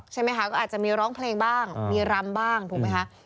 ใช่ไหมคะก็อาจจะมีร้องเพลงบ้างมีรำบ้างถูกไหมคะ